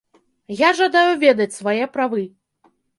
Я жадаю ведаць свае правы!